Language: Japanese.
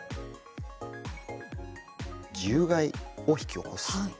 獣害を引き起こす。